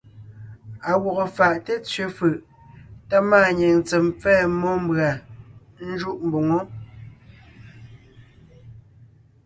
À gwɔgɔ fáʼ té tsẅe fʉʼ tá máanyìŋ tsem pfɛ́ɛ mmó mbʉ̀a ńjúʼ mboŋó.